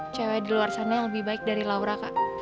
cewek di luar sana yang lebih baik dari laura kak